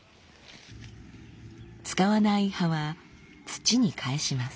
使わない葉は土にかえします。